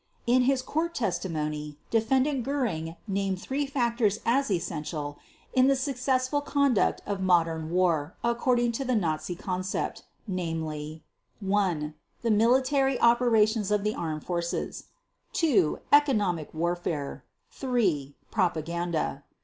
In his court testimony, Defendant Göring named three factors as essential in the successful conduct of modern war according to the Nazi concept, namely, (1) the military operations of the armed forces, (2) economic warfare, (3) propaganda.